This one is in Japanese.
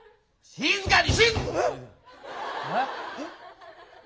静かに！